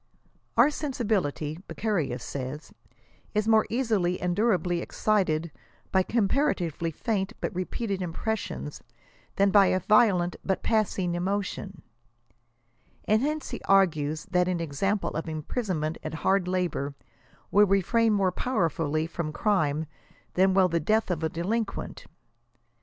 " Our sensibility," Beccaria says, " is more easily and durably excited hy comparatively faint but repeated impressions, than by a violent, but passing emotion ;" and hence he argues that an example of imprison mnent at hard labor will restiain more powerfully from crime than will the death of a delinquent.